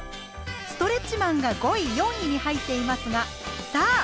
「ストレッチマン」が５位４位に入っていますがさあ